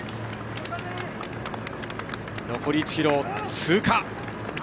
残り１ｋｍを通過。